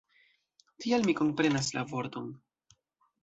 Tial, mi komprenas la vorton.